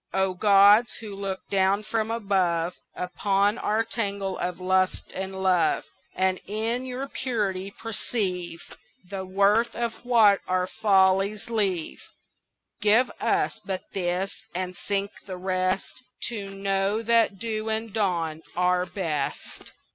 O gods, who look down from above Upon our tangle of lust and love, And, in your purity, perceive The worth of what our follies leave: Give us but this, and sink the rest To know that dew and dawn are best.